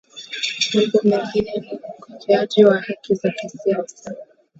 mambo mengine ni ukiukaji wa haki za kisiasa